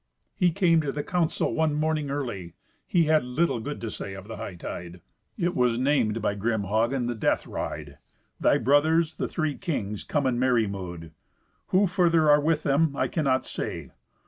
"He came to the council one morning early. He had little good to say of the hightide. It was named by grim Hagen the death ride. Thy brothers, the three kings, come in merry mood. Who further are with them I cannot say.